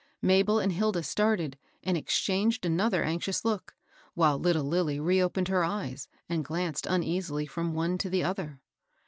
Mabel and Hilda started, and exchanged another anxious look, while little Lilly reopened her eyes, and glanced uneasily from one to the other.